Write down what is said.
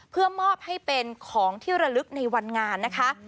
เพื่อมอบให้เป็นของที่ระลึกในวันงานนะคะ